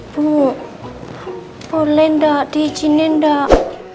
bu boleh nggak diizinin enggak